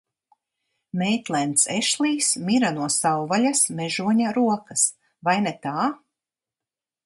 Meitlends Ešlijs mira no savvaļas mežoņa rokas, vai ne tā?